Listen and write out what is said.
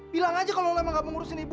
bilang aja kalau lo emang gak mengurusin ibu